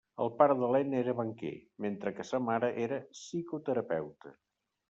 El pare d'Helena era banquer, mentre que sa mare era psicoterapeuta.